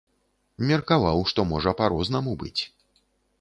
Меркаваў, што можа па-рознаму быць.